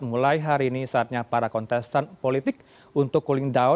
mulai hari ini saatnya para kontestan politik untuk cooling down